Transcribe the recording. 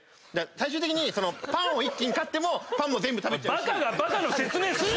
最終的にパンを１斤買ってもパンも全部食べちゃうし。